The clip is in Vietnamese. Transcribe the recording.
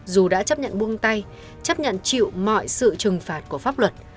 dù đã chấp nhận buông tay chấp nhận chịu mọi sự trừng phạt của pháp luật